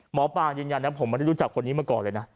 หมอปลายืนยันนะผมไม่ได้รู้จักคนนี้มาก่อนเลยนะ